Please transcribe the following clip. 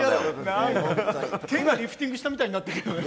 健がリフティングしたみたいになってるじゃん。